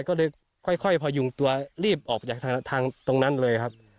ก็เลยค่อยค่อยพอหยุ่งตัวรีบออกจากทางทางตรงนั้นเลยครับ